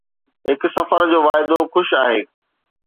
هڪ سفر جو واعدو خوش آهي.